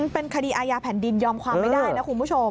เป็นคดีอาญาแผ่นดินยอมความไม่ได้นะคุณผู้ชม